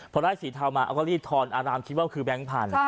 พอได้สีเทามาเอาก็รีบทอนอารามคิดว่าคือแบงค์พันธุ